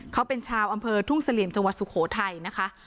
เขาเป็นชาวอำเภอทุ่งเสลี่ยมจังหวัดสุโขทัยนะคะ